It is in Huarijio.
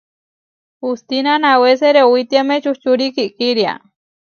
Hustína nawésere owítiame čuhčúri kiʼkiria.